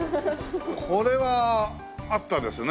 これは合ったですね。